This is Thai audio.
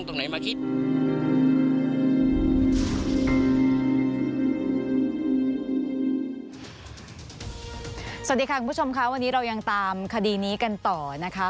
สวัสดีค่ะคุณผู้ชมค่ะวันนี้เรายังตามคดีนี้กันต่อนะคะ